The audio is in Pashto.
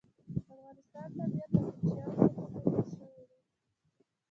د افغانستان طبیعت له کوچیانو څخه جوړ شوی دی.